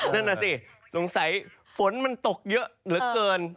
นั่นน่ะสิสงสัยฝนมันตกเยอะเหลือเกิน